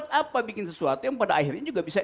tapi saya tahu itu kabarnya